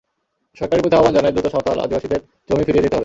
সরকারের প্রতি আহ্বান জানাই, দ্রুত সাঁওতাল আদিবাসীদের জমি ফিরিয়ে দিতে হবে।